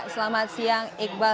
selamat siang iqbal